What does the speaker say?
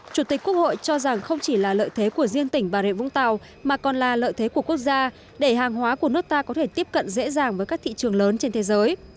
chủ tịch quốc hội cho rằng không chỉ là lợi thế của riêng tỉnh bà rịa vũng tàu mà còn là lợi thế của quốc gia để hàng hóa của nước ta có thể tiếp cận dễ dàng với các thị trường lớn trên thế giới